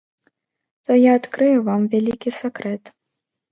То я адкрыю вам вялікі сакрэт.